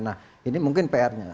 nah ini mungkin pr nya